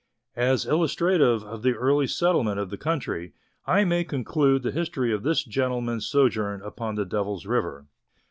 As illus trative of the early settleme'nt of the country, I may conclude the history of this gentleman's sojourn upon the Devil's River.